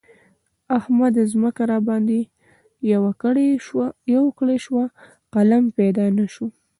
احمده! ځمکه راباندې يوه کړۍ شوه؛ قلم پيدا نه شو.